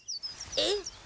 えっ？